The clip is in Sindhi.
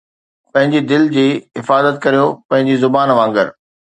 پنھنجي دل جي حفاظت ڪريو پنھنجي زبان وانگر